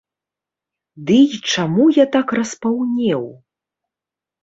Ды і чаму я так распаўнеў?